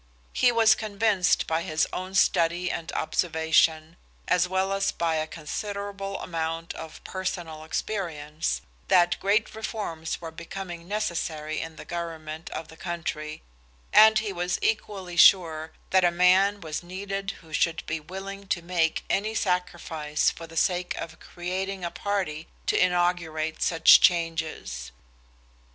He was convinced by his own study and observation, as well as by a considerable amount of personal experience, that great reforms were becoming necessary in the government of the country, and he was equally sure that a man was needed who should be willing to make any sacrifice for the sake of creating a party to inaugurate such changes.